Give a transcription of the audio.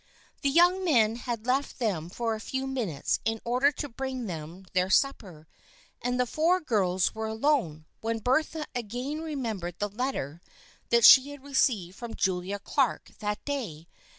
The young men had left them for a few minutes in order to bring them their supper, and the four girls were alone, when Bertha again remembered the letter that she had received from Julia Clark that day.